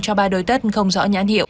cho ba đôi tất không rõ nhãn hiệu